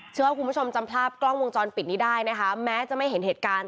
เชื่อว่าคุณผู้ชมจำภาพกล้องวงจรปิดนี้ได้นะคะแม้จะไม่เห็นเหตุการณ์